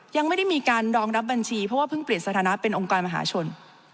ยังไม่ได้มีการรองรับบัญชีเพราะว่าเพิ่งเปลี่ยนสถานะเป็นองค์กรมหาชน